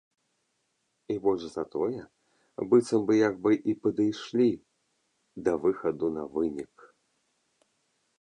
І больш за тое, быццам бы як бы і падышлі да выхаду на вынік.